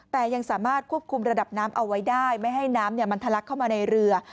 แต่ยังสามารถควบคุมระดับน้ำเอาไว้ได้ไม่ให้น้ำมันทะลักเข้ามาในเรือ